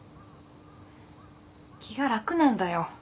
気が楽なんだよ。